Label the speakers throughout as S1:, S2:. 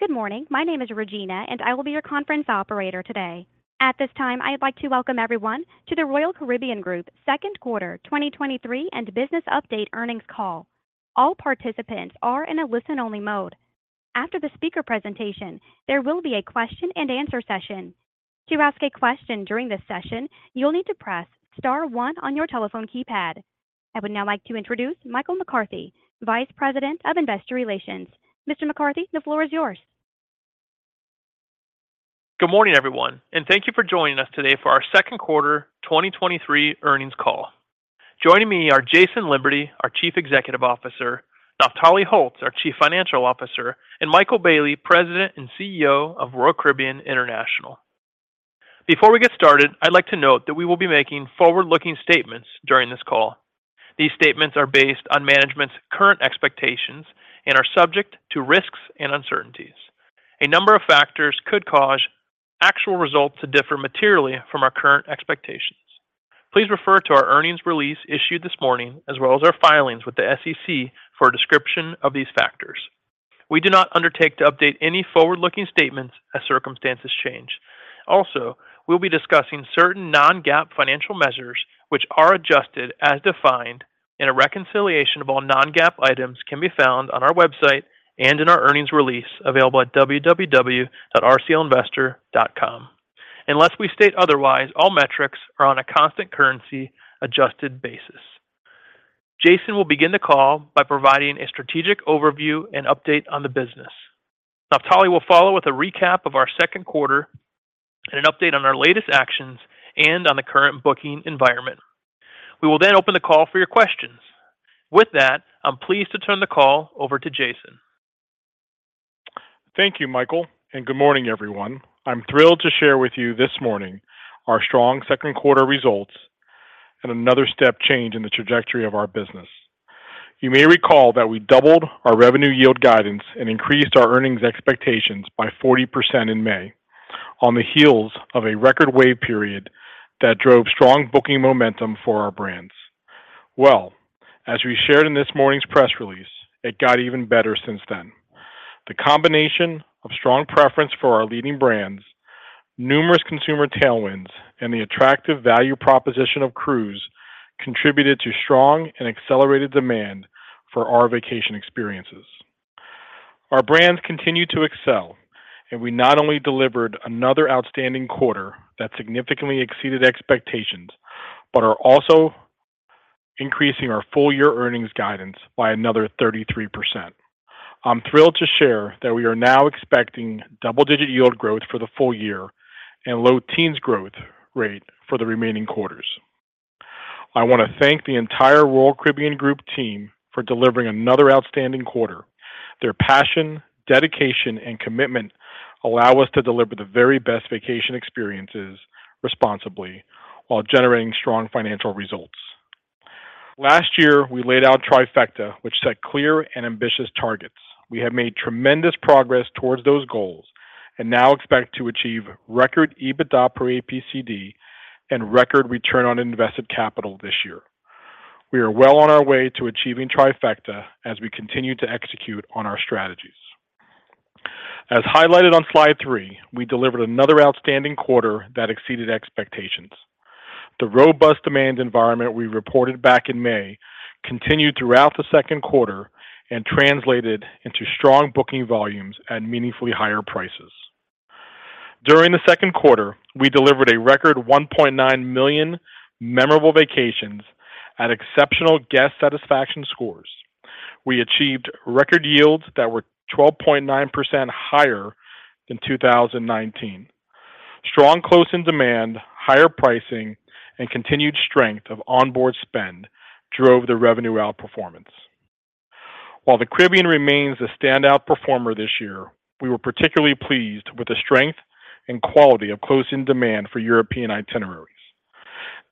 S1: Good morning. My name is Regina. I will be your conference operator today. At this time, I'd like to welcome everyone to the Royal Caribbean Group second quarter 2023 and business update earnings call. All participants are in a listen-only mode. After the speaker presentation, there will be a question-and-answer session. To ask a question during this session, you'll need to press star one on your telephone keypad. I would now like to introduce Michael McCarthy, Vice President of Investor Relations. Mr. McCarthy, the floor is yours.
S2: Good morning, everyone. Thank you for joining us today for our second quarter 2023 earnings call. Joining me are Jason Liberty, our Chief Executive Officer, Naftali Holtz, our Chief Financial Officer, and Michael Bayley, President and Chief Executive Officer of Royal Caribbean International. Before we get started, I'd like to note that we will be making forward-looking statements during this call. These statements are based on management's current expectations and are subject to risks and uncertainties. A number of factors could cause actual results to differ materially from our current expectations. Please refer to our earnings release issued this morning, as well as our filings with the SEC for a description of these factors. We do not undertake to update any forward-looking statements as circumstances change. Also, we'll be discussing certain non-GAAP financial measures, which are adjusted as defined, and a reconciliation of all non-GAAP items can be found on our website and in our earnings release, available at www.rclinvestor.com. Unless we state otherwise, all metrics are on a constant currency adjusted basis. Jason will begin the call by providing a strategic overview and update on the business. Naftali will follow with a recap of our second quarter and an update on our latest actions and on the current booking environment. We will open the call for your questions. With that, I'm pleased to turn the call over to Jason.
S3: Thank you, Michael. Good morning, everyone. I'm thrilled to share with you this morning our strong second quarter results and another step change in the trajectory of our business. You may recall that we doubled our revenue yield guidance and increased our earnings expectations by 40% in May on the heels of a record wave period that drove strong booking momentum for our brands. Well, as we shared in this morning's press release, it got even better since then. The combination of strong preference for our leading brands, numerous consumer tailwinds, and the attractive value proposition of cruise contributed to strong and accelerated demand for our vacation experiences. Our brands continue to excel, and we not only delivered another outstanding quarter that significantly exceeded expectations, but are also increasing our full-year earnings guidance by another 33%. I'm thrilled to share that we are now expecting double-digit yield growth for the full year and low teens growth rate for the remaining quarters. I want to thank the entire Royal Caribbean Group team for delivering another outstanding quarter. Their passion, dedication, and commitment allow us to deliver the very best vacation experiences responsibly while generating strong financial results. Last year, we laid out Trifecta, which set clear and ambitious targets. We have made tremendous progress towards those goals and now expect to achieve record EBITDA per APCD and record return on invested capital this year. We are well on our way to achieving Trifecta as we continue to execute on our strategies. As highlighted on slide three, we delivered another outstanding quarter that exceeded expectations. The robust demand environment we reported back in May continued throughout the second quarter and translated into strong booking volumes at meaningfully higher prices. During the second quarter, we delivered a record 1.9 million memorable vacations at exceptional guest satisfaction scores. We achieved record yields that were 12.9% higher than 2019. Strong close-in demand, higher pricing, and continued strength of onboard spend drove the revenue outperformance. While the Caribbean remains a standout performer this year, we were particularly pleased with the strength and quality of close-in demand for European itineraries.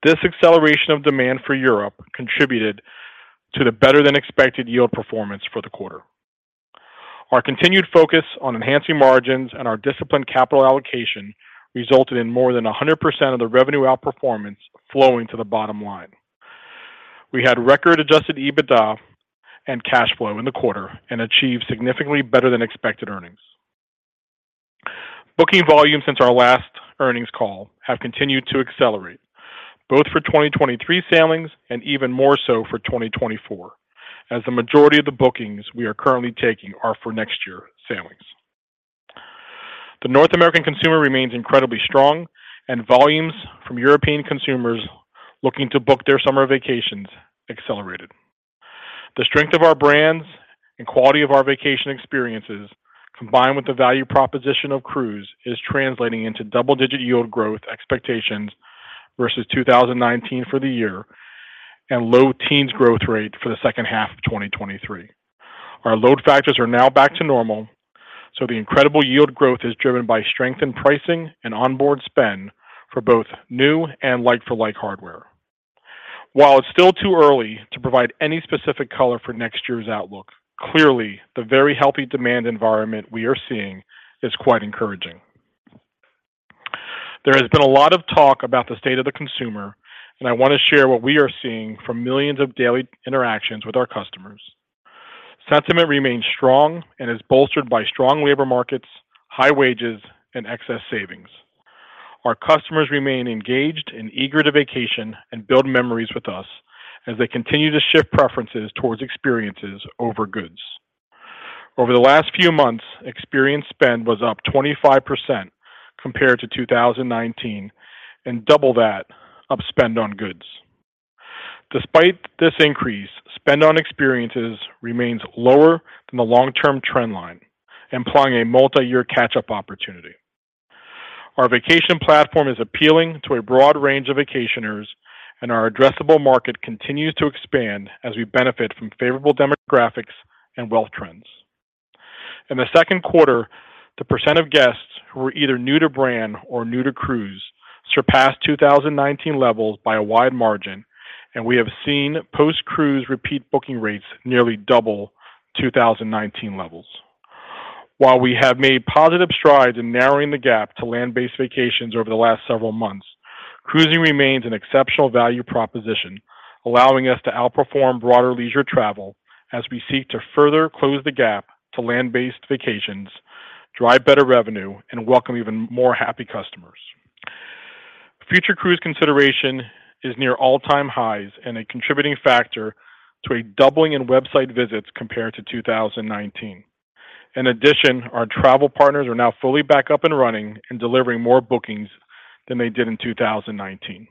S3: This acceleration of demand for Europe contributed to the better-than-expected yield performance for the quarter. Our continued focus on enhancing margins and our disciplined capital allocation resulted in more than 100% of the revenue outperformance flowing to the bottom line. We had record adjusted EBITDA and cash flow in the quarter and achieved significantly better than expected earnings. Booking volumes since our last earnings call have continued to accelerate, both for 2023 sailings and even more so for 2024, as the majority of the bookings we are currently taking are for next year sailings. The North American consumer remains incredibly strong, and volumes from European consumers looking to book their summer vacations accelerated. The strength of our brands and quality of our vacation experiences, combined with the value proposition of cruise, is translating into double-digit yield growth expectations versus 2019 for the year and low teens growth rate for the second half of 2023. Our load factors are now back to normal, so the incredible yield growth is driven by strengthened pricing and onboard spend for both new and like-for-like hardware. While it's still too early to provide any specific color for next year's outlook, clearly, the very healthy demand environment we are seeing is quite encouraging. There has been a lot of talk about the state of the consumer, and I want to share what we are seeing from millions of daily interactions with our customers. Sentiment remains strong and is bolstered by strong labor markets, high wages, and excess savings. Our customers remain engaged and eager to vacation and build memories with us as they continue to shift preferences towards experiences over goods. Over the last few months, experience spend was up 25% compared to 2019, and double that of spend on goods. Despite this increase, spend on experiences remains lower than the long-term trend line, implying a multiyear catch-up opportunity. Our vacation platform is appealing to a broad range of vacationers, and our addressable market continues to expand as we benefit from favorable demographics and wealth trends. In the second quarter, the % of guests who were either new to brand or new to cruise surpassed 2019 levels by a wide margin, and we have seen post-cruise repeat booking rates nearly double 2019 levels. While we have made positive strides in narrowing the gap to land-based vacations over the last several months, cruising remains an exceptional value proposition, allowing us to outperform broader leisure travel as we seek to further close the gap to land-based vacations, drive better revenue, and welcome even more happy customers. Future cruise consideration is near all-time highs and a contributing factor to a doubling in website visits compared to 2019. Our travel partners are now fully back up and running and delivering more bookings than they did in 2019.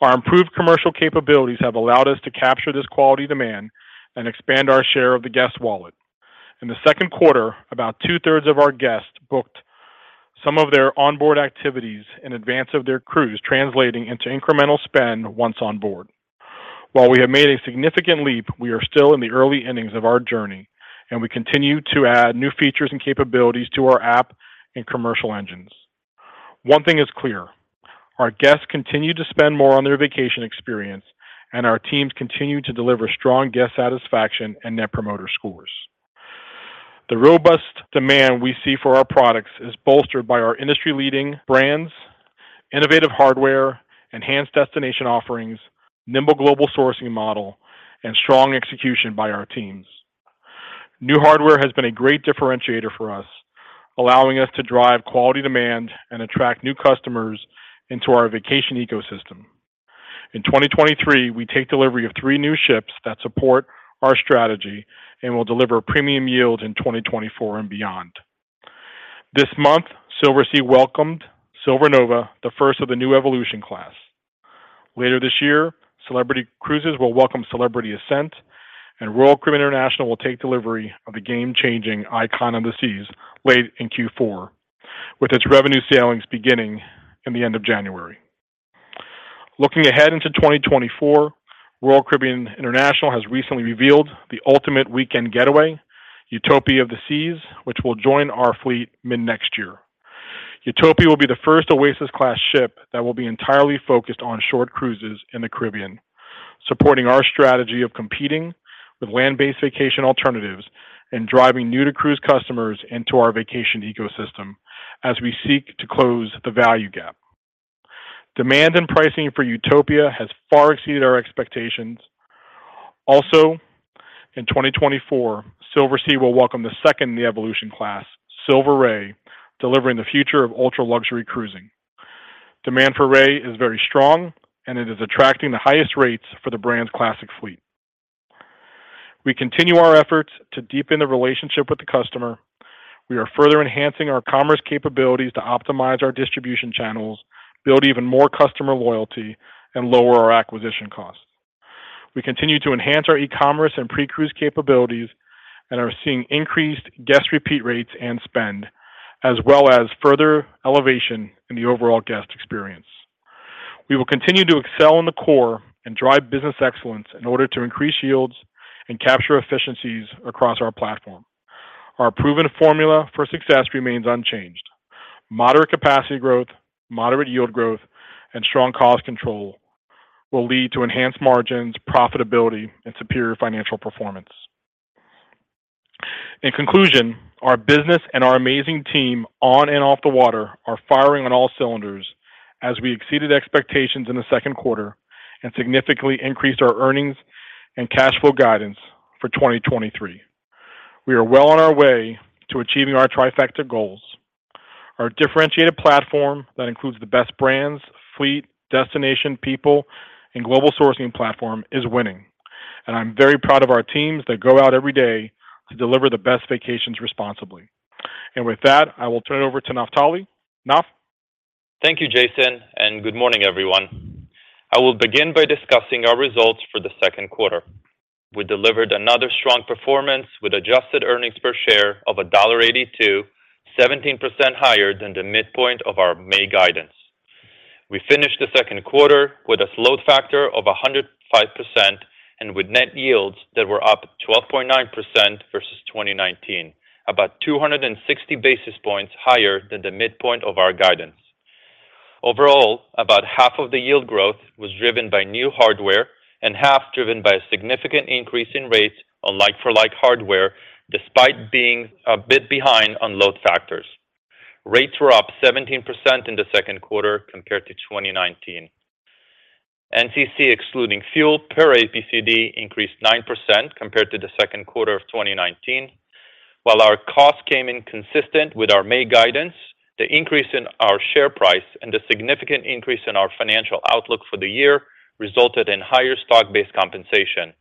S3: Our improved commercial capabilities have allowed us to capture this quality demand and expand our share of the guest wallet. In the second quarter, about two-thirds of our guests booked some of their onboard activities in advance of their cruise, translating into incremental spend once on board. While we have made a significant leap, we are still in the early innings of our journey, we continue to add new features and capabilities to our app and commercial engines. One thing is clear: our guests continue to spend more on their vacation experience, and our teams continue to deliver strong guest satisfaction and Net Promoter scores. The robust demand we see for our products is bolstered by our industry-leading brands, innovative hardware, enhanced destination offerings, nimble global sourcing model, and strong execution by our teams. New hardware has been a great differentiator for us, allowing us to drive quality demand and attract new customers into our vacation ecosystem. In 2023, we take delivery of three new ships that support our strategy and will deliver premium yield in 2024 and beyond. This month, Silversea welcomed Silver Nova, the first of the new Evolution class. Later this year, Celebrity Cruises will welcome Celebrity Ascent, and Royal Caribbean International will take delivery of the game-changing Icon of the Seas late in Q4, with its revenue sailings beginning in the end of January. Looking ahead into 2024, Royal Caribbean International has recently revealed the ultimate weekend getaway, Utopia of the Seas, which will join our fleet mid-next year. Utopia will be the first Oasis-class ship that will be entirely focused on short cruises in the Caribbean, supporting our strategy of competing with land-based vacation alternatives and driving new-to-cruise customers into our vacation ecosystem as we seek to close the value gap. Demand and pricing for Utopia has far exceeded our expectations. Also, in 2024, Silversea will welcome the second in the Evolution class, Silver Ray, delivering the future of ultra-luxury cruising. Demand for Ray is very strong, and it is attracting the highest rates for the brand's classic fleet. We continue our efforts to deepen the relationship with the customer. We are further enhancing our commerce capabilities to optimize our distribution channels, build even more customer loyalty, and lower our acquisition costs. We continue to enhance our e-commerce and pre-cruise capabilities and are seeing increased guest repeat rates and spend, as well as further elevation in the overall guest experience. We will continue to excel in the core and drive business excellence in order to increase yields and capture efficiencies across our platform. Our proven formula for success remains unchanged. Moderate capacity growth, moderate yield growth, and strong cost control will lead to enhanced margins, profitability, and superior financial performance. In conclusion, our business and our amazing team on and off the water are firing on all cylinders as we exceeded expectations in the second quarter and significantly increased our earnings and cash flow guidance for 2023. We are well on our way to achieving our Trifecta goals. Our differentiated platform that includes the best brands, fleet, destination, people, and global sourcing platform is winning, and I'm very proud of our teams that go out every day to deliver the best vacations responsibly. With that, I will turn it over to Naftali. Naf?
S4: Thank you, Jason, and good morning, everyone. I will begin by discussing our results for the second quarter. We delivered another strong performance with adjusted earnings per share of $1.82, 17% higher than the midpoint of our May guidance. We finished the second quarter with a load factor of 105% and with net yields that were up 12.9% versus 2019, about 260 basis points higher than the midpoint of our guidance. Overall, about half of the yield growth was driven by new hardware and half driven by a significant increase in rates on like-for-like hardware despite being a bit behind on load factors. Rates were up 17% in the second quarter compared to 2019. NCC, excluding fuel per APCD, increased 9% compared to the second quarter of 2019. While our costs came in consistent with our May guidance, the increase in our share price and the significant increase in our financial outlook for the year resulted in higher stock-based compensation.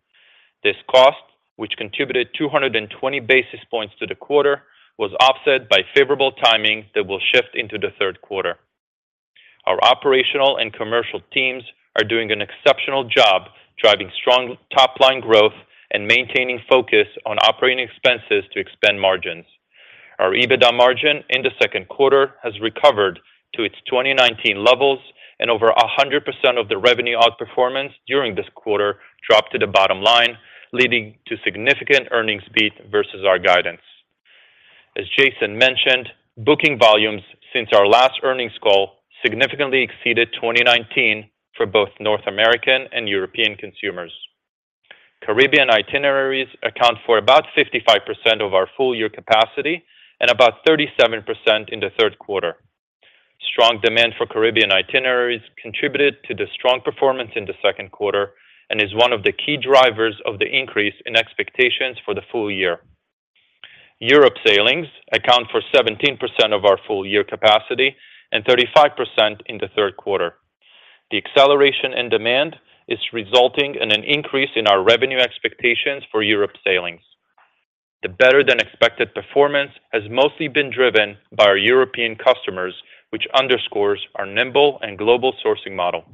S4: This cost, which contributed 220 basis points to the quarter, was offset by favorable timing that will shift into the third quarter. Our operational and commercial teams are doing an exceptional job driving strong top-line growth and maintaining focus on operating expenses to expand margins. Our EBITDA margin in the second quarter has recovered to its 2019 levels, and over 100% of the revenue outperformance during this quarter dropped to the bottom line, leading to significant earnings beat versus our guidance. As Jason mentioned, booking volumes since our last earnings call significantly exceeded 2019 for both North American and European consumers. Caribbean itineraries account for about 55% of our full-year capacity and about 37% in the third quarter. Strong demand for Caribbean itineraries contributed to the strong performance in the second quarter and is one of the key drivers of the increase in expectations for the full year. Europe sailings account for 17% of our full-year capacity and 35% in the third quarter. The acceleration in demand is resulting in an increase in our revenue expectations for Europe sailings. The better-than-expected performance has mostly been driven by our European customers, which underscores our nimble and global sourcing model.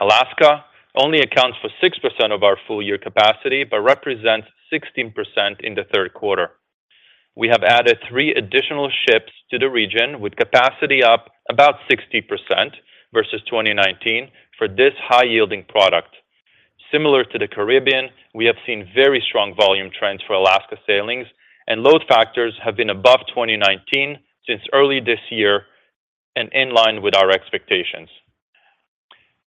S4: Alaska only accounts for 6% of our full-year capacity, but represents 16% in the third quarter. We have added three additional ships to the region, with capacity up about 60% versus 2019 for this high-yielding product. Similar to the Caribbean, we have seen very strong volume trends for Alaska sailings, and load factors have been above 2019 since early this year and in line with our expectations.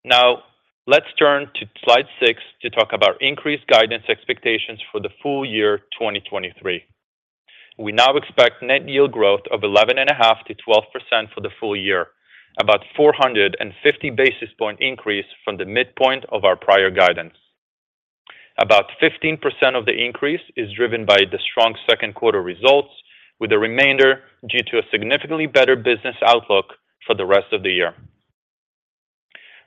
S4: Now, let's turn to slide six to talk about increased guidance expectations for the full year 2023. We now expect net yield growth of 11.5%-12% for the full year, about 450 basis point increase from the midpoint of our prior guidance. About 15% of the increase is driven by the strong second quarter results, with the remainder due to a significantly better business outlook for the rest of the year.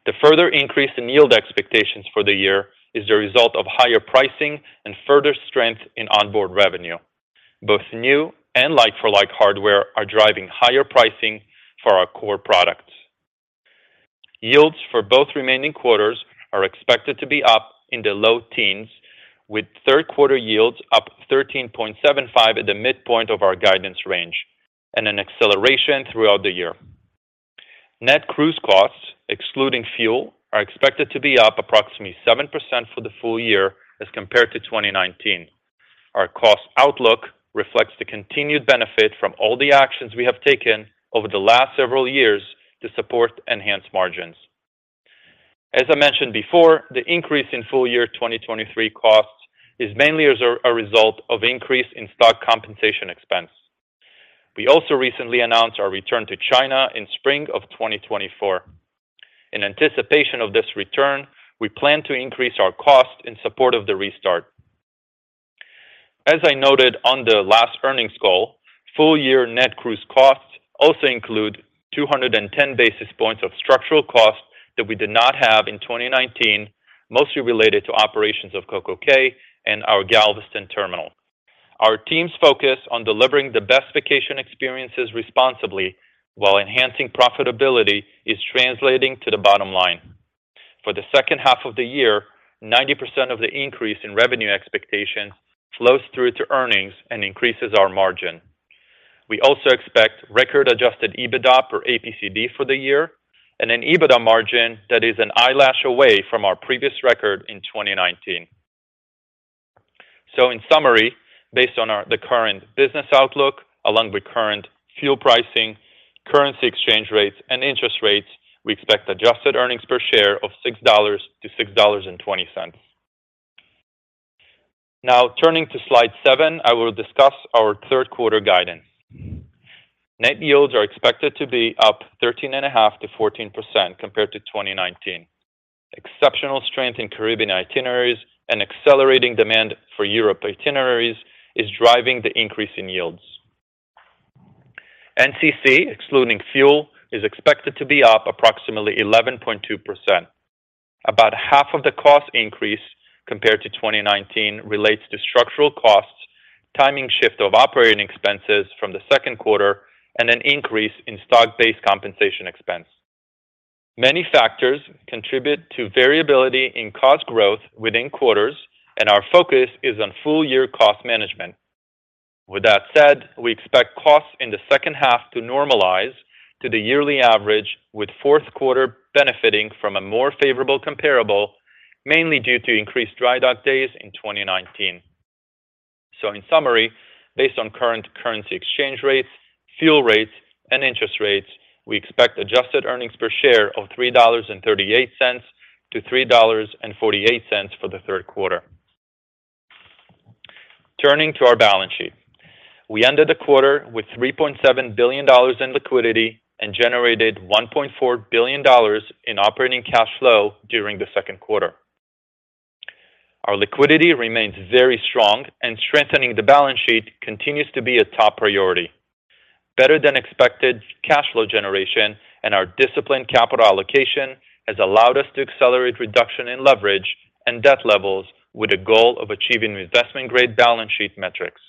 S4: The further increase in yield expectations for the year is the result of higher pricing and further strength in onboard revenue. Both new and like-for-like hardware are driving higher pricing for our core products. Yields for both remaining quarters are expected to be up in the low teens, with third quarter yields up 13.75 at the midpoint of our guidance range, an acceleration throughout the year. Net cruise costs, excluding fuel, are expected to be up approximately 7% for the full year as compared to 2019. Our cost outlook reflects the continued benefit from all the actions we have taken over the last several years to support enhanced margins. As I mentioned before, the increase in full year 2023 costs is mainly as a result of increase in stock compensation expense. We also recently announced our return to China in spring of 2024. In anticipation of this return, we plan to increase our cost in support of the restart. As I noted on the last earnings call, full year net cruise costs also include 210 basis points of structural costs that we did not have in 2019, mostly related to operations of CocoCay and our Galveston terminal. Our team's focus on delivering the best vacation experiences responsibly while enhancing profitability, is translating to the bottom line. For the second half of the year, 90% of the increase in revenue expectation flows through to earnings and increases our margin. We also expect record-adjusted EBITDA or APCD for the year, and an EBITDA margin that is an eyelash away from our previous record in 2019. In summary, based on the current business outlook, along with current fuel pricing, currency exchange rates, and interest rates, we expect adjusted earnings per share of $6.00-$6.20. Turning to slide seven, I will discuss our third quarter guidance. Net yields are expected to be up 13.5%-14% compared to 2019. Exceptional strength in Caribbean itineraries and accelerating demand for Europe itineraries is driving the increase in yields. NCC, excluding fuel, is expected to be up approximately 11.2%. About half of the cost increase compared to 2019 relates to structural costs, timing shift of operating expenses from the second quarter, and an increase in stock-based compensation expense. Many factors contribute to variability in cost growth within quarters, our focus is on full-year cost management. With that said, we expect costs in the second half to normalize to the yearly average, with 4th quarter benefiting from a more favorable comparable, mainly due to increased dry dock days in 2019. In summary, based on current currency exchange rates, fuel rates, and interest rates, we expect adjusted earnings per share of $3.38 to $3.48 for the third quarter. Turning to our balance sheet. We ended the quarter with $3.7 billion in liquidity and generated $1.4 billion in operating cash flow during the second quarter. Our liquidity remains very strong, and strengthening the balance sheet continues to be a top priority. Better than expected cash flow generation and our disciplined capital allocation has allowed us to accelerate reduction in leverage and debt levels, with a goal of achieving investment-grade balance sheet metrics.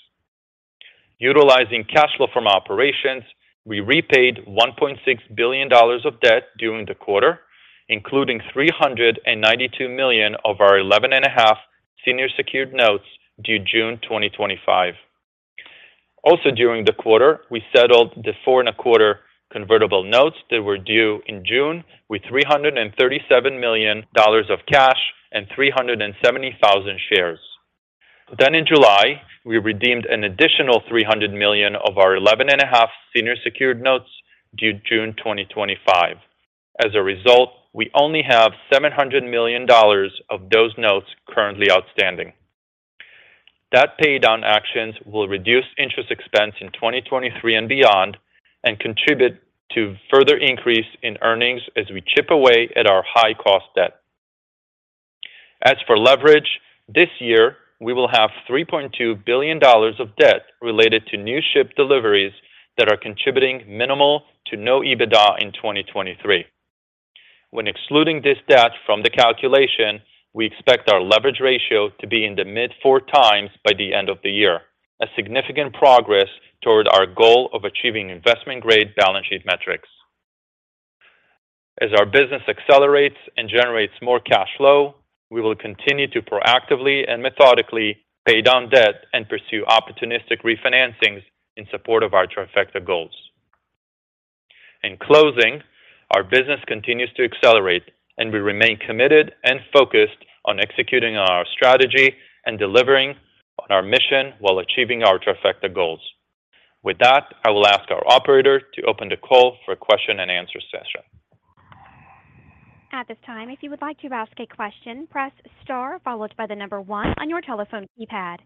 S4: Utilizing cash flow from operations, we repaid $1.6 billion of debt during the quarter, including $392 million of our 11.5 senior secured notes due June 2025. During the quarter, we settled the four and a quarter convertible notes that were due in June with $337 million of cash and 370,000 shares. In July, we redeemed an additional $300 million of our eleven and a half senior secured notes due June 2025. As a result, we only have $700 million of those notes currently outstanding. That paydown actions will reduce interest expense in 2023 and beyond and contribute to further increase in earnings as we chip away at our high-cost debt. As for leverage, this year, we will have $3.2 billion of debt related to new ship deliveries that are contributing minimal to no EBITDA in 2023. When excluding this debt from the calculation, we expect our leverage ratio to be in the mid four times by the end of the year, a significant progress toward our goal of achieving investment-grade balance sheet metrics. As our business accelerates and generates more cash flow, we will continue to proactively and methodically pay down debt and pursue opportunistic refinancings in support of our Trifecta goals. In closing, our business continues to accelerate, and we remain committed and focused on executing on our strategy and delivering on our mission while achieving our Trifecta goals. With that, I will ask our operator to open the call for a question and answer session.
S1: At this time, if you would like to ask a question, press star followed by the number one on your telephone keypad.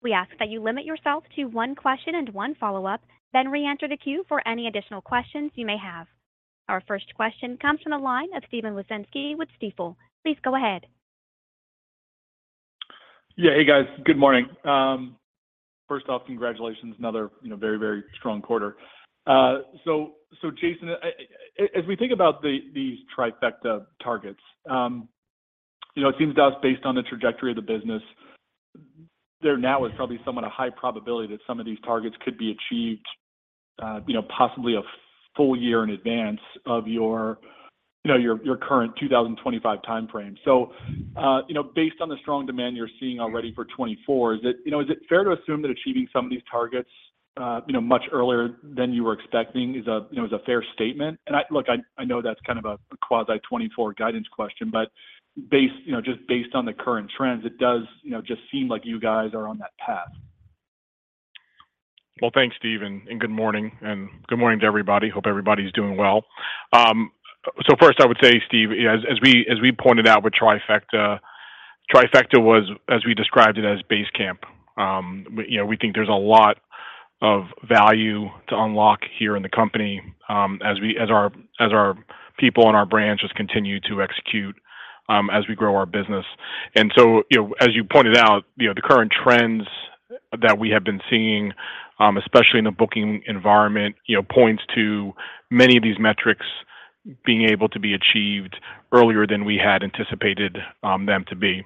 S1: We ask that you limit yourself to one question and one follow-up, then reenter the queue for any additional questions you may have. Our first question comes from the line of Steven Wieczynski with Stifel. Please go ahead.
S5: Yeah. Hey, guys. Good morning. First off, congratulations. Another, you know, very, very strong quarter. Jason, as we think about these Trifecta targets, you know, it seems to us, based on the trajectory of the business, there now is probably somewhat a high probability that some of these targets could be achieved, you know, possibly a full year in advance of your, you know, your current 2025 time frame. Based on the strong demand you're seeing already for 2024, is it, you know, is it fair to assume that achieving some of these targets, you know, much earlier than you were expecting is a, you know, is a fair statement? look, I know that's kind of a quasi 2024 guidance question, but based, you know, just based on the current trends, it does, you know, just seem like you guys are on that path.
S3: Well, thanks, Steve, and good morning to everybody. Hope everybody's doing well. First, I would say, Steve, as we pointed out with Trifecta, Trifecta was, as we described it, as base camp. You know, we think there's a lot of value to unlock here in the company, as our people and our brands just continue to execute, as we grow our business. You know, as you pointed out, you know, the current trends that we have been seeing, especially in the booking environment, you know, points to many of these metrics being able to be achieved earlier than we had anticipated them to be.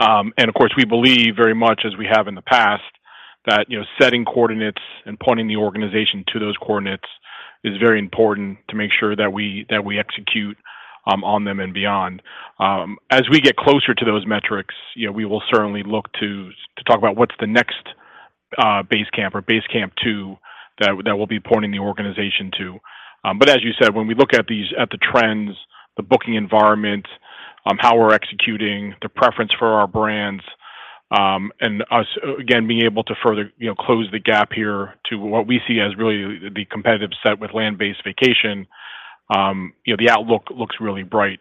S3: Of course, we believe very much as we have in the past, that, you know, setting coordinates and pointing the organization to those coordinates is very important to make sure that we execute on them and beyond. As we get closer to those metrics, you know, we will certainly look to talk about what's the next base camp or base camp two that, that we'll be pointing the organization to. As you said, when we look at these, at the trends, the booking environment, how we're executing, the preference for our brands, and us again, being able to further, you know, close the gap here to what we see as really the competitive set with land-based vacation, you know, the outlook looks really bright.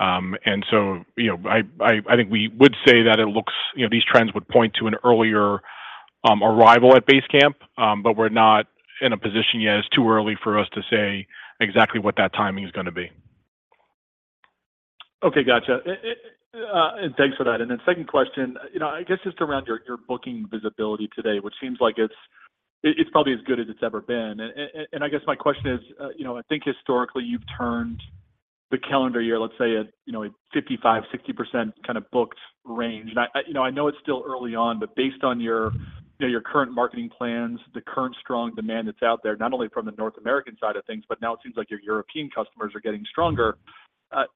S3: You know, I think we would say that it looks, you know, these trends would point to an earlier, arrival at base camp. We're not in a position yet. It's too early for us to say exactly what that timing is gonna be.
S5: Okay, gotcha. Thanks for that. Then second question, you know, I guess just around your, your booking visibility today, which seems like it's, it's probably as good as it's ever been. I guess my question is, you know, I think historically you've turned the calendar year, let's say, at, you know, a 55%-60% kind of booked range. I know it's still early on, but based on your, you know, your current marketing plans, the current strong demand that's out there, not only from the North American side of things, but now it seems like your European customers are getting stronger.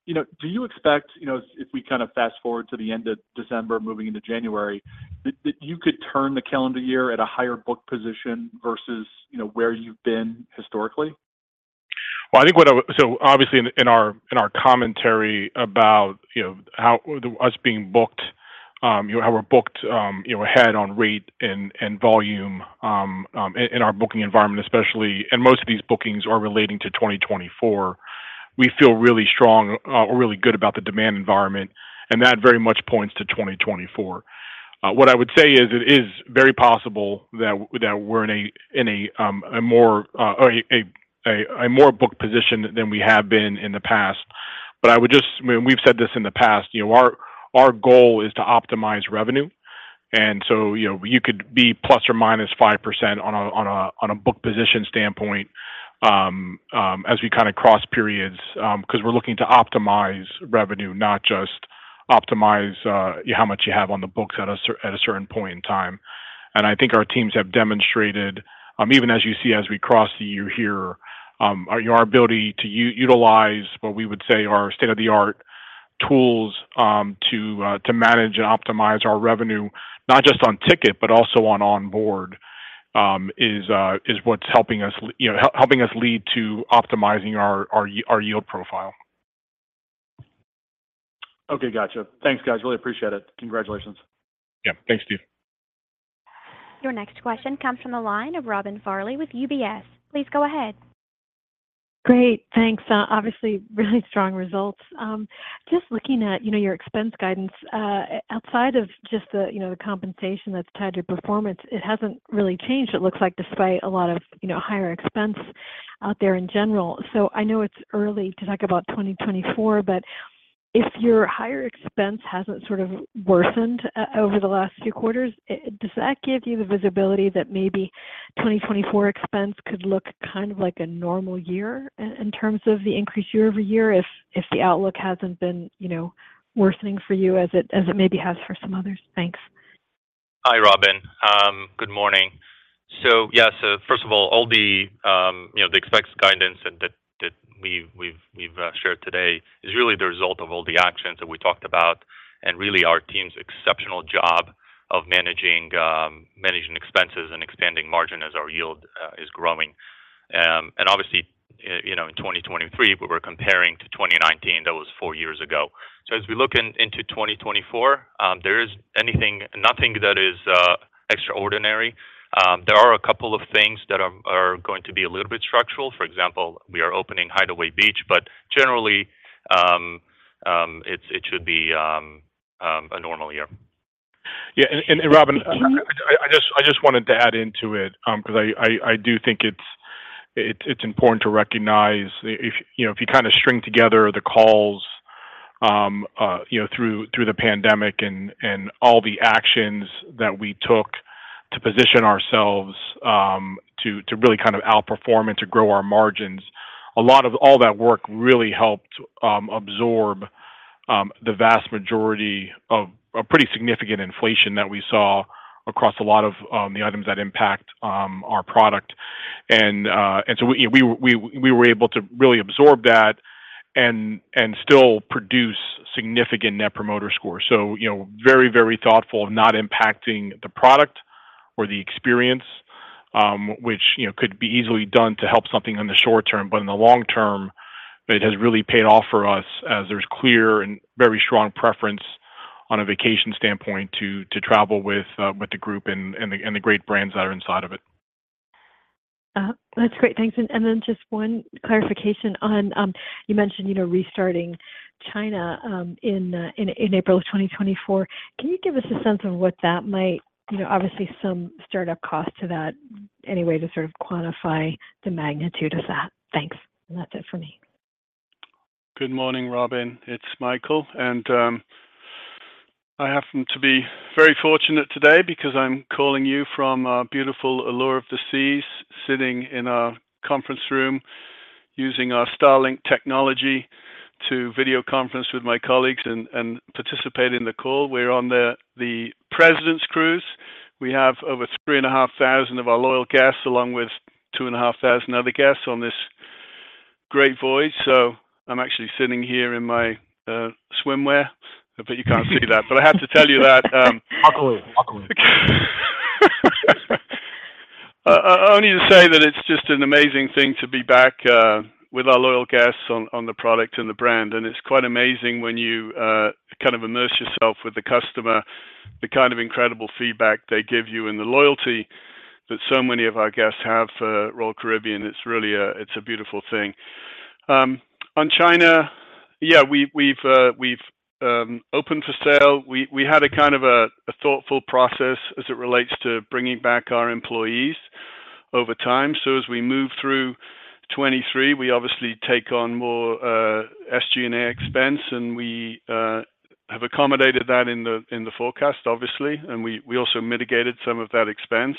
S5: You know, do you expect, you know, if we kind of fast forward to the end of December, moving into January, that you could turn the calendar year at a higher book position versus, you know, where you've been historically?
S3: Well, I think what obviously, in our commentary about, you know, how us being. you know, how we're booked, you know, ahead on rate and volume, in our booking environment especially. Most of these bookings are relating to 2024. We feel really strong or really good about the demand environment. That very much points to 2024. What I would say is, it is very possible that we're in a more or a more booked position than we have been in the past. I would just. I mean, we've said this in the past, you know, our goal is to optimize revenue, and so, you know, you could be plus or minus 5% on a book position standpoint as we kind of cross periods, 'cause we're looking to optimize revenue, not just optimize how much you have on the books at a certain point in time. I think our teams have demonstrated, even as you see as we cross the year here, our ability to utilize what we would say are state-of-the-art tools, to manage and optimize our revenue, not just on ticket, but also on onboard, is what's helping us, you know, helping us lead to optimizing our yield profile.
S5: Okay, gotcha. Thanks, guys. Really appreciate it. Congratulations.
S3: Yeah. Thanks, Steve.
S1: Your next question comes from the line of Robin Farley with UBS. Please go ahead.
S6: Great, thanks. Obviously, really strong results. Just looking at, you know, your expense guidance, outside of just the, you know, the compensation that's tied to performance, it hasn't really changed, it looks like, despite a lot of, you know, higher expense out there in general. I know it's early to talk about 2024, but if your higher expense hasn't sort of worsened over the last few quarters, does that give you the visibility that maybe 2024 expense could look kind of like a normal year in terms of the increase year-over-year, if the outlook hasn't been, you know, worsening for you as it, as it maybe has for some others? Thanks.
S4: Hi, Robin. Good morning. First of all, all the, you know, the expense guidance that we've shared today is really the result of all the actions that we talked about and really our team's exceptional job of managing expenses and expanding margin as our yield is growing. Obviously, you know, in 2023, we were comparing to 2019. That was four-years ago. As we look into 2024, there is nothing that is extraordinary. There are a couple of things that are going to be a little bit structural. For example, we are opening Hideaway Beach, generally, it should be a normal year.
S3: Robin, I just wanted to add into it, 'cause I do think it's important to recognize if. You know, if you kind of string together the calls, you know, through the pandemic and all the actions that we took to position ourselves to really kind of outperform and to grow our margins, a lot of all that work really helped absorb the vast majority of a pretty significant inflation that we saw across a lot of the items that impact our product. So we, you know, we were able to really absorb that and still produce significant Net Promoter scores. You know, very, very thoughtful of not impacting the product or the experience, which, you know, could be easily done to help something in the short term, but in the long term, it has really paid off for us as there's clear and very strong preference on a vacation standpoint to travel with the group and the great brands that are inside of it.
S6: That's great. Thanks. Then just one clarification on you mentioned, you know, restarting China in April of 2024. You know, obviously some startup costs to that. Any way to sort of quantify the magnitude of that? Thanks. That's it for me.
S7: Good morning, Robin. It's Michael. I happen to be very fortunate today because I'm calling you from our beautiful Allure of the Seas, sitting in our conference room, using our Starlink technology to video conference with my colleagues and participate in the call. We're on the president's cruise. We have over 3,500 of our loyal guests, along with 2,500 other guests on this great voyage. I'm actually sitting here in my swimwear, but you can't see that. I have to tell you that. Only to say that it's just an amazing thing to be back with our loyal guests on the product and the brand. It's quite amazing when you kind of immerse yourself with the customer, the kind of incredible feedback they give you and the loyalty that so many of our guests have for Royal Caribbean. It's really a beautiful thing. On China, we've opened for sail. We had a kind of a thoughtful process as it relates to bringing back our employees over time. As we move through 2023, we obviously take on more SG&A expense, and we have accommodated that in the forecast, obviously, and we also mitigated some of that expense.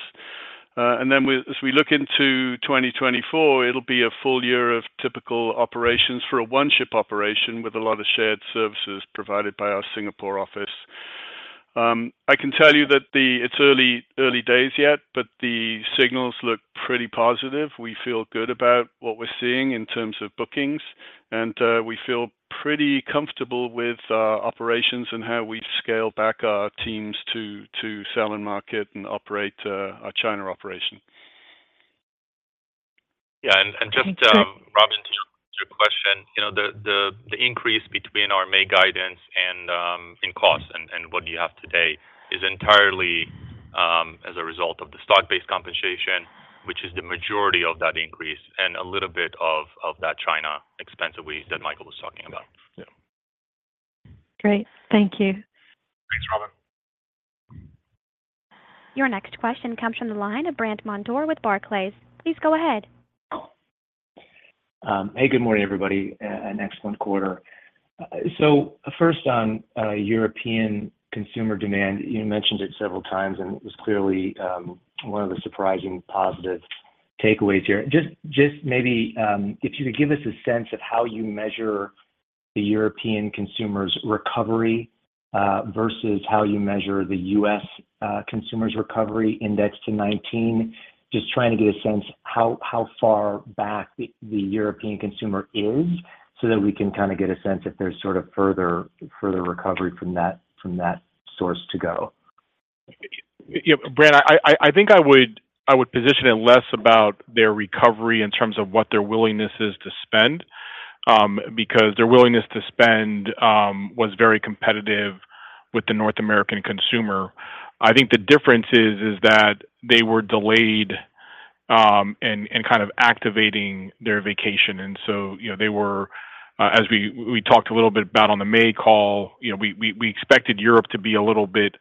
S7: As we look into 2024, it'll be a full year of typical operations for a one-ship operation with a lot of shared services provided by our Singapore office. I can tell you that It's early days yet, but the signals look pretty positive. We feel good about what we're seeing in terms of bookings, and we feel pretty comfortable with our operations and how we scale back our teams to sell and market and operate our China operation.
S4: Yeah, just, Robin, to your question, you know, the increase between our May guidance and in costs and what you have today is entirely as a result of the stock-based compensation, which is the majority of that increase, and a little bit of that China expense that Michael was talking about.
S6: Great. Thank you.
S4: Thanks, Robin.
S1: Your next question comes from the line of Brandt Montour with Barclays. Please go ahead.
S8: Hey, good morning, everybody, an excellent quarter. So first on European consumer demand, you mentioned it several times, and it was clearly one of the surprising positive takeaways here. Just maybe, if you could give us a sense of how you measure the European consumer's recovery versus how you measure the U.S consumer's recovery index to 19. Just trying to get a sense how far back the European consumer is so that we can kind of get a sense if there's sort of further recovery from that, from that source to go.
S3: Yeah, Brandt, I think I would position it less about their recovery in terms of what their willingness is to spend, because their willingness to spend was very competitive with the North American consumer. I think the difference is, is that they were delayed in kind of activating their vacation. You know, they were, as we talked a little bit about on the May call, you know, we expected Europe to be a little bit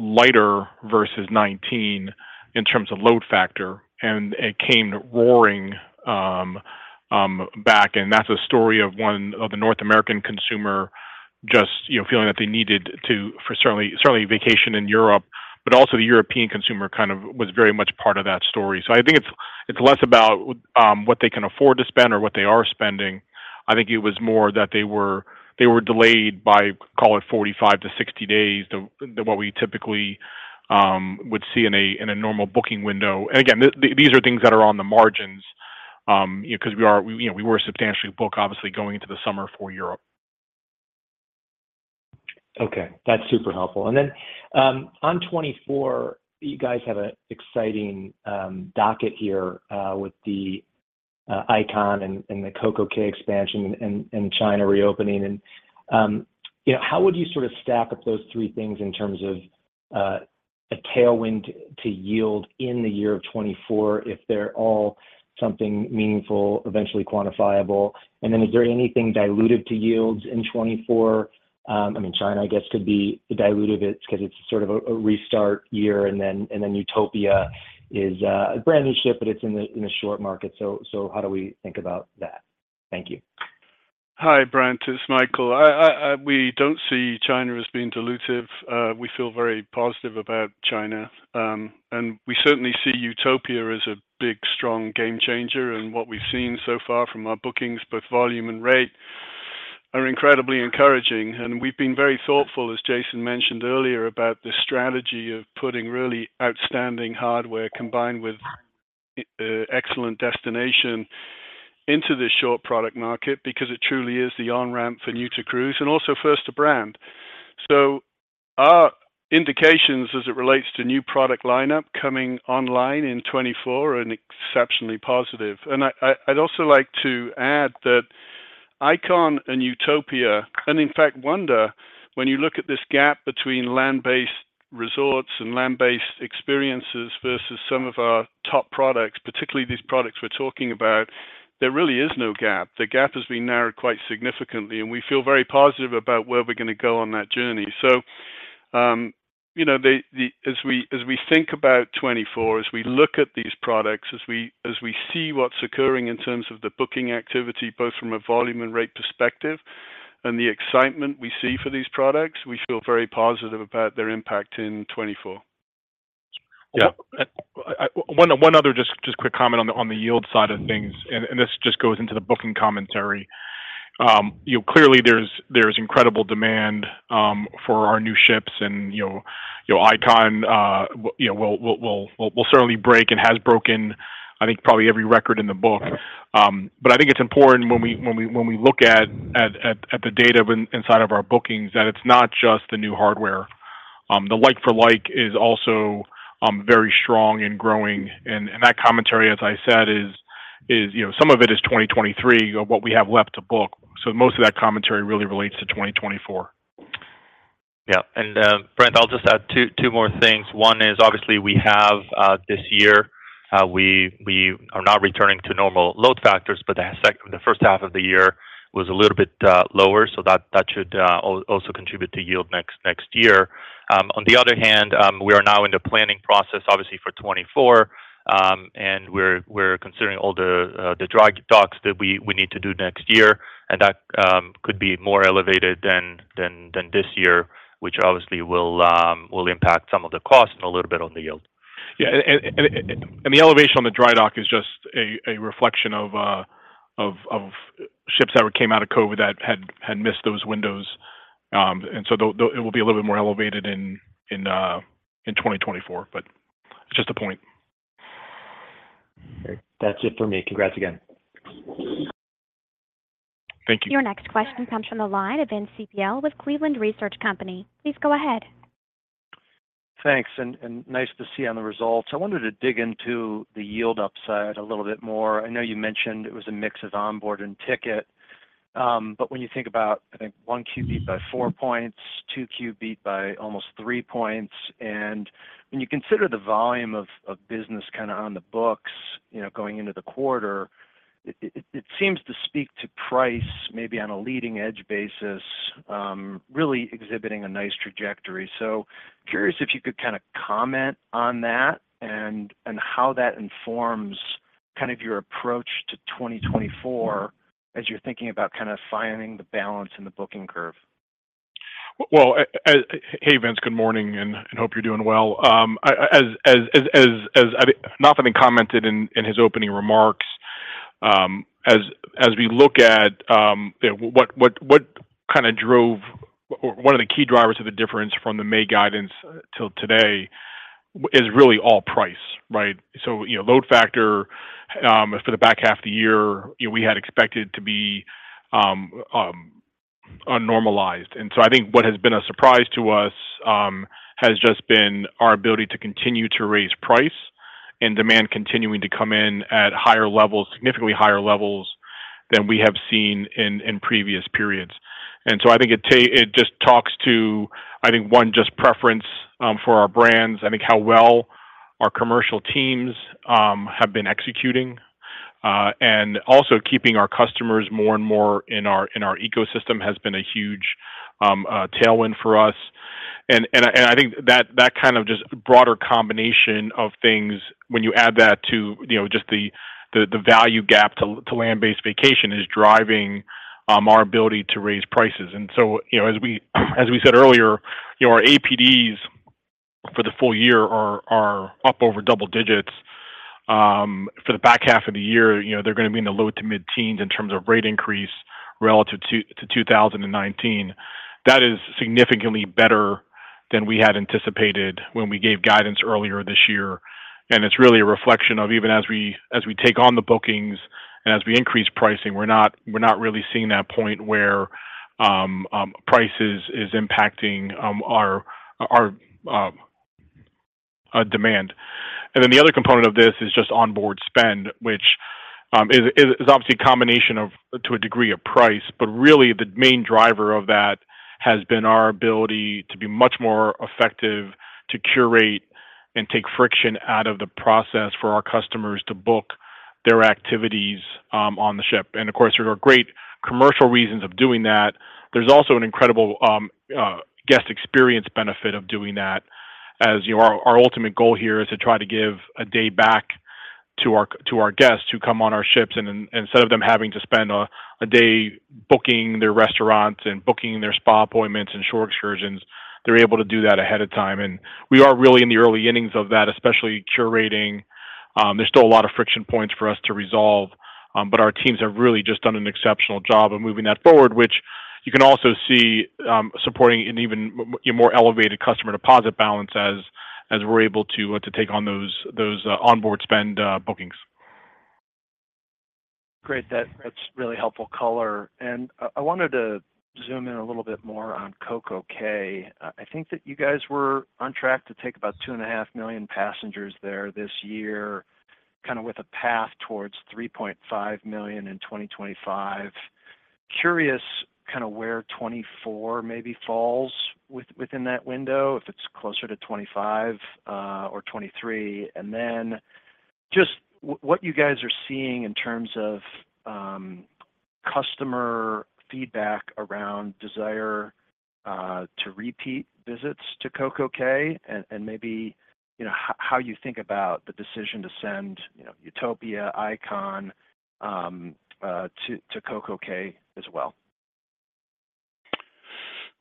S3: lighter versus 19 in terms of load factor, and it came roaring back. That's a story of one of the North American consumer just, you know, feeling that they needed to for certainly vacation in Europe, but also the European consumer kind of was very much part of that story. I think it's less about what they can afford to spend or what they are spending. I think it was more that they were delayed by, call it 45 to 60 days than what we typically would see in a normal booking window. Again, these are things that are on the margins, 'cause we are, you know, we were substantially book, obviously, going into the summer for Europe.
S8: Okay, that's super helpful. On 2024, you guys have an exciting docket here with the Icon and the CocoCay expansion in China reopening. You know, how would you sort of stack up those three things in terms of a tailwind to yield in the year of 2024 if they're all something meaningful, eventually quantifiable? Is there anything dilutive to yields in 2024? I mean, China, I guess, could be dilutive. 'cause it's sort of a restart year, and then Utopia is a brand-new ship, but it's in the short market. How do we think about that? Thank you.
S7: Hi, Brandt, it's Michael. We don't see China as being dilutive. We feel very positive about China. We certainly see Utopia as a big, strong game changer. What we've seen so far from our bookings, both volume and rate, are incredibly encouraging. We've been very thoughtful, as Jason mentioned earlier, about the strategy of putting really outstanding hardware combined with excellent destination into this short product market because it truly is the on-ramp for new to cruise and also first to brand. Our indications as it relates to new product lineup coming online in 2024 are exceptionally positive. I'd also like to add that Icon and Utopia, and in fact, Wonder, when you look at this gap between land-based resorts and land-based experiences versus some of our top products, particularly these products we're talking about, there really is no gap. The gap has been narrowed quite significantly, and we feel very positive about where we're gonna go on that journey. you know, as we think about 2024, as we look at these products, as we see what's occurring in terms of the booking activity, both from a volume and rate perspective, and the excitement we see for these products, we feel very positive about their impact in 2024.
S3: Yeah. One other just quick comment on the yield side of things. This just goes into the booking commentary. You know, clearly there's incredible demand for our new ships and, you know, Icon, you know, will certainly break and has broken, I think, probably every record in the book. I think it's important when we look at the data inside of our bookings, that it's not just the new hardware. The like for like is also very strong and growing, and that commentary, as I said, is, you know, some of it is 2023, or what we have left to book. Most of that commentary really relates to 2024.
S4: Yeah, Brandt, I'll just add two more things. One is, obviously we have this year, we are now returning to normal load factors, the first half of the year was a little bit lower, that should also contribute to yield next year. On the other hand, we are now in the planning process, obviously, for 2024, we're considering all the dry docks that we need to do next year, that could be more elevated than this year, which obviously will impact some of the cost and a little bit on the yield.
S3: Yeah, and the elevation on the dry dock is just a reflection of ships that came out of COVID that had missed those windows. So it will be a little bit more elevated in 2024, but just a point.
S8: Great. That's it for me. Congrats again.
S1: Your next question comes from the line of Vince Ciepiel with Cleveland Research Company. Please go ahead.
S9: Thanks, nice to see on the results. I wanted to dig into the yield upside a little bit more. I know you mentioned it was a mix of onboard and ticket, when you think about, I think 1Q beat by 4 points, 2Q beat by almost 3 points, when you consider the volume of business kinda on the books, you know, going into the quarter, it seems to speak to price maybe on a leading-edge basis, really exhibiting a nice trajectory. Curious if you could kinda comment on that and how that informs kind of your approach to 2024 as you're thinking about kinda finding the balance in the booking curve.
S3: Hey, Vince, good morning, and hope you're doing well. As Nathan commented in his opening remarks, as we look at, you know, what kinda drove or one of the key drivers of the difference from the May guidance till today is really all price, right? You know, load factor for the back half of the year, you know, we had expected to be unnormalized. I think what has been a surprise to us has just been our ability to continue to raise price and demand continuing to come in at higher levels, significantly higher levels than we have seen in previous periods. I think it just talks to, I think, one, just preference for our brands, I think how well our commercial teams have been executing, and also keeping our customers more and more in our ecosystem has been a huge tailwind for us. I think that, that kind of just broader combination of things when you add that to, you know, just the value gap to land-based vacation is driving our ability to raise prices. You know, as we, as we said earlier, you know, our APDs for the full year are up over double digits. For the back half of the year, you know, they're gonna be in the low to mid-teens in terms of rate increase relative to 2019. That is significantly better than we had anticipated when we gave guidance earlier this year. It's really a reflection of even as we take on the bookings and as we increase pricing, we're not really seeing that point where prices is impacting our demand. Then the other component of this is just onboard spend, which is obviously a combination of, to a degree, of price, but really the main driver of that has been our ability to be much more effective, to curate and take friction out of the process for our customers to book their activities on the ship. Of course, there are great commercial reasons of doing that. There's also an incredible guest experience benefit of doing that. As you know, our ultimate goal here is to try to give a day back to our guests who come on our ships, instead of them having to spend a day booking their restaurants and booking their spa appointments and shore excursions, they're able to do that ahead of time. We are really in the early innings of that, especially curating. There's still a lot of friction points for us to resolve, but our teams have really just done an exceptional job of moving that forward, which you can also see, supporting an even a more elevated customer deposit balance as we're able to take on those onboard spend bookings.
S9: Great. That's really helpful color. I wanted to zoom in a little bit more on CocoCay. I think that you guys were on track to take about $2.5 million passengers there this year, kinda with a path towards $3.5 million in 2025. Curious, kinda where 2024 maybe falls within that window, if it's closer to 2025 or 2023. Then just what you guys are seeing in terms of customer feedback around desire to repeat visits to CocoCay and maybe, you know, how you think about the decision to send, you know, Utopia Icon to CocoCay as well.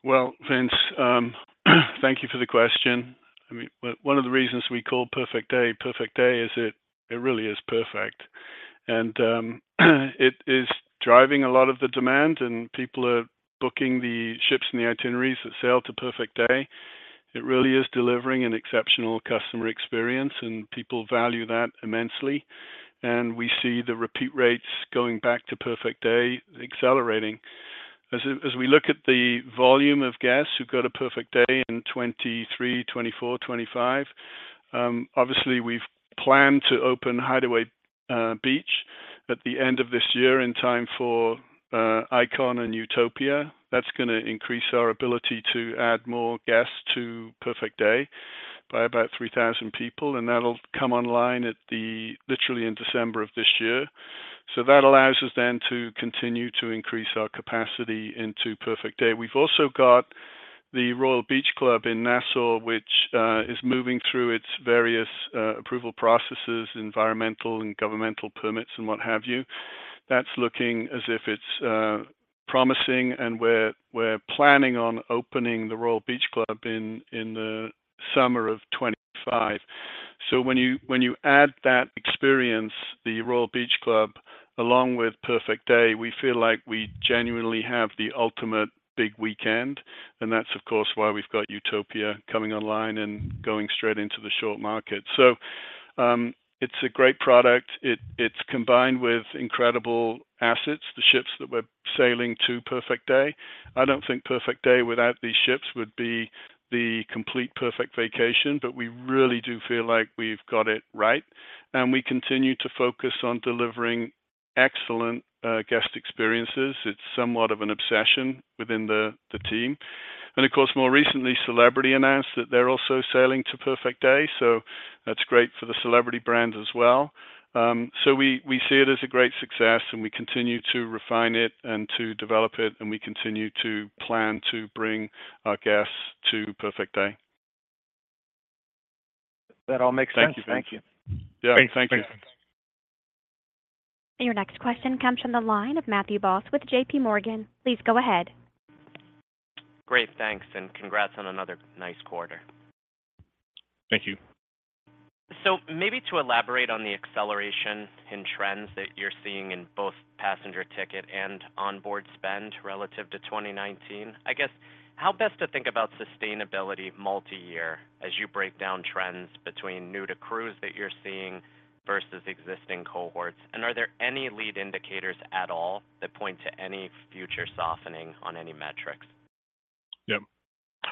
S7: Well, Vince, thank you for the question. I mean, one of the reasons we call Perfect Day, "Perfect Day," it really is perfect. It is driving a lot of the demand, and people are booking the ships and the itineraries that sail to Perfect Day. It really is delivering an exceptional customer experience, and people value that immensely. We see the repeat rates going back to Perfect Day accelerating. As we look at the volume of guests who've got a Perfect Day in 2023, 2024, 2025, obviously, we've planned to open Hideaway Beach at the end of this year in time for Icon and Utopia. That's gonna increase our ability to add more guests to Perfect Day by about 3,000 people, and that'll come online literally in December of this year. That allows us then to continue to increase our capacity into Perfect Day. We've also got the Royal Beach Club in Nassau, which is moving through its various approval processes, environmental and governmental permits, and what have you. That's looking as if it's promising, and we're planning on opening the Royal Beach Club in the summer of 2025. When you add that experience, the Royal Beach Club, along with Perfect Day, we feel like we genuinely have the ultimate big weekend, and that's, of course, why we've got Utopia coming online and going straight into the short market. It's a great product. It's combined with incredible assets, the ships that we're sailing to Perfect Day. I don't think Perfect Day without these ships would be the complete perfect vacation, but we really do feel like we've got it right, and we continue to focus on delivering excellent guest experiences. It's somewhat of an obsession within the team. Of course, more recently, Celebrity announced that they're also sailing to Perfect Day, that's great for the Celebrity brand as well. We see it as a great success, and we continue to refine it and to develop it, and we continue to plan to bring our guests to Perfect Day.
S9: That all makes sense.
S7: Thank you.
S4: Thank you.
S9: Yeah. Thank you.
S1: Your next question comes from the line of Matthew Boss with J.P. Morgan. Please go ahead.
S10: Great, thanks, and congrats on another nice quarter.
S3: Thank you.
S10: Maybe to elaborate on the acceleration in trends that you're seeing in both passenger ticket and onboard spend relative to 2019, I guess, how best to think about sustainability multi-year as you break down trends between new to cruise that you're seeing versus existing cohorts? Are there any lead indicators at all that point to any future softening on any metrics?
S3: Yeah.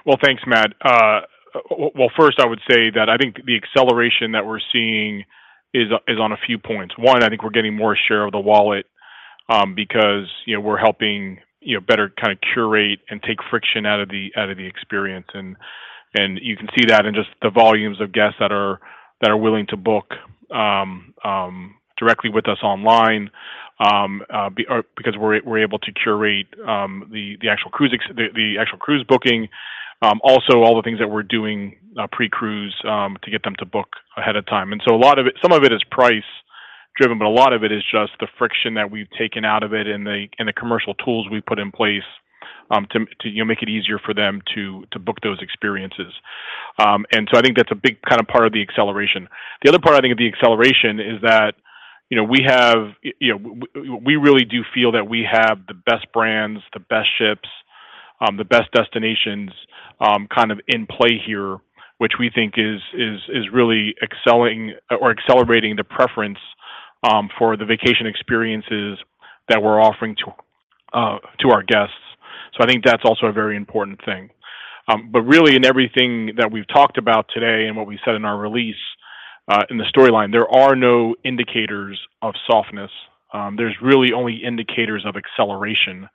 S3: Well, thanks, Matt. Well, first, I would say that I think the acceleration that we're seeing is on a few points. One, I think we're getting more share of the wallet, because, you know, we're helping, you know, better kind of curate and take friction out of the experience. You can see that in just the volumes of guests that are willing to book directly with us online, or because we're able to curate the actual cruise booking. Also all the things that we're doing pre-cruise to get them to book ahead of time. A lot of it, some of it is price-driven, but a lot of it is just the friction that we've taken out of it and the commercial tools we've put in place to, you know, make it easier for them to book those experiences. I think that's a big kind of part of the acceleration. The other part, I think, of the acceleration is that, you know, we have, you know, we really do feel that we have the best brands, the best ships, the best destinations, kind of in play here, which we think is really excelling or accelerating the preference for the vacation experiences that we're offering to our guests. I think that's also a very important thing. Really, in everything that we've talked about today and what we said in our release, in the storyline, there are no indicators of softness. There's really only indicators of acceleration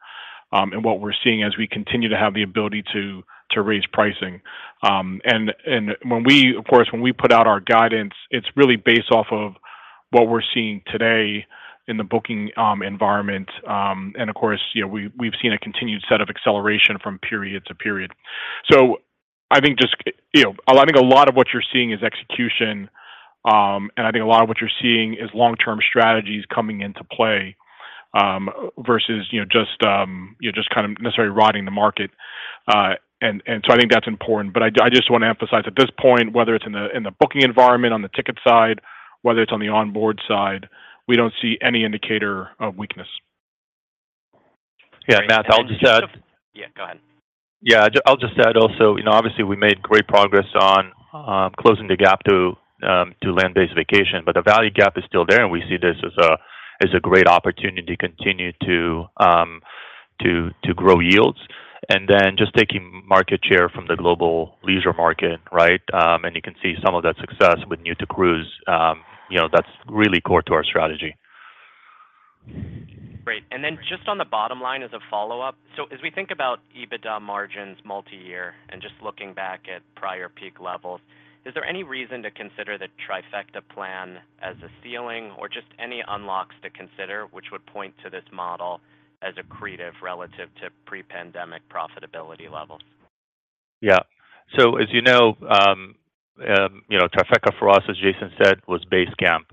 S3: in what we're seeing as we continue to have the ability to raise pricing. Of course, when we put out our guidance, it's really based off of what we're seeing today in the booking environment. Of course, you know, we've seen a continued set of acceleration from period to period. I think just, you know, I think a lot of what you're seeing is execution, and I think a lot of what you're seeing is long-term strategies coming into play, versus, you know, just, you just kind of necessarily riding the market. I think that's important. I just want to emphasize, at this point, whether it's in the booking environment, on the ticket side, whether it's on the onboard side, we don't see any indicator of weakness.
S4: Yeah, Matt, I'll just add.
S10: Yeah, go ahead.
S4: Yeah, I'll just add also, you know, obviously we made great progress on, closing the gap to, to land-based vacation, but the value gap is still there, and we see this as a, as a great opportunity to continue to grow yields. Just taking market share from the global leisure market, right? You can see some of that success with new to cruise, you know, that's really core to our strategy.
S10: Great. Just on the bottom line as a follow-up so as we think about EBITDA margins multi-year, and just looking back at prior peak levels, is there any reason to consider the Trifecta plan as a ceiling or just any unlocks to consider, which would point to this model as accretive relative to pre-pandemic profitability levels?
S4: Yeah. As you know, Trifecta for us, as Jason said, was base camp.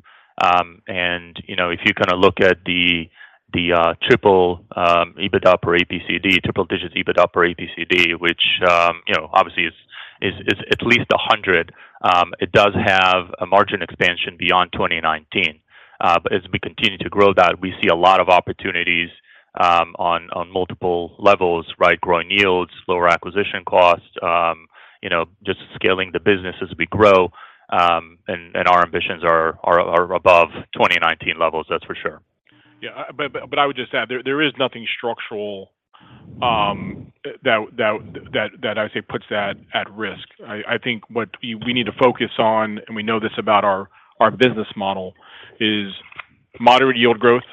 S4: If you kind of look at the triple EBITDA or APCD, triple digits EBITDA or APCD, which, you know, obviously is at least 100, it does have a margin expansion beyond 2019. As we continue to grow that, we see a lot of opportunities on multiple levels, right? Growing yields, lower acquisition costs, you know, just scaling the business as we grow, and our ambitions are above 2019 levels, that's for sure.
S3: I would just add, there is nothing structural that I'd say puts that at risk. I think what we need to focus on, and we know this about our business model, is moderate yield growth,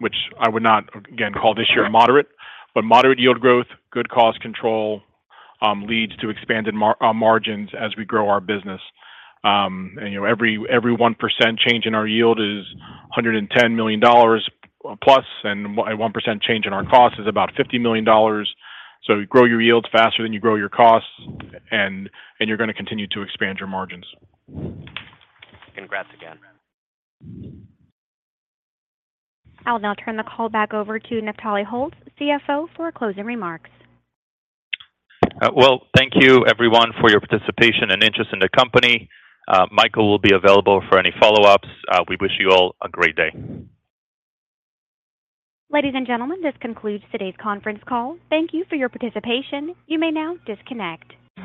S3: which I would not again call this year moderate, but moderate yield growth, good cost control, leads to expanded margins as we grow our business. You know, every 1% change in our yield is $110 million+, and a 1% change in our cost is about $50 million. You grow your yields faster than you grow your costs, and you're going to continue to expand your margins.
S10: Congrats again.
S1: I'll now turn the call back over to Naftali Holtz, Chief Financial Officer, for closing remarks.
S4: Well, thank you everyone for your participation and interest in the company. Michael will be available for any follow-ups. We wish you all a great day.
S1: Ladies and gentlemen, this concludes today's conference call. Thank you for your participation. You may now disconnect.